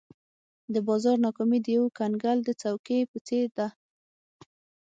د بازار ناکامي د یو کنګل د څوکې په څېر ده.